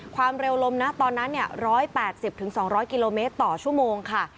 ความเร็วลมนะตอนนั้น๑๘๐๒๐๐กิโลเมตรต่อชั่วโมงค่ะ